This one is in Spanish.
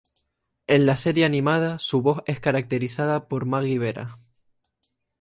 En la serie animada su voz es caracterizada por Maggie Vera.